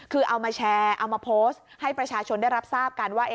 คือเอามาแชร์เอามาโพสต์ให้ประชาชนได้รับทราบกันว่า